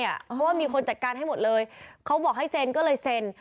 เพราะว่ามีคนจัดการให้หมดเลยเขาบอกให้เซ็นก็เลยเซ็น